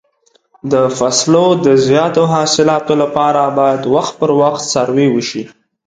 د فصلو د زیاتو حاصلاتو لپاره باید وخت پر وخت سروې وشي.